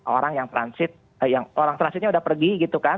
orang yang transit orang transitnya sudah pergi gitu kan